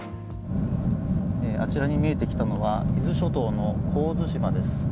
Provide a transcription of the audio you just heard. あちらに見えてきたのは伊豆諸島の神津島です。